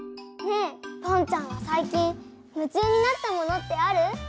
ねえぽんちゃんはさい近む中になったものってある？